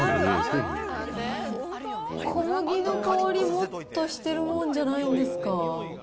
小麦の香り、もっとしてるもんじゃないんですか。